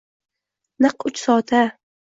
Naq uch soat-a?